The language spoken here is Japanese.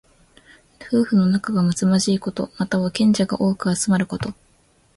夫婦の仲がむつまじいこと。または、賢者が多く集まること。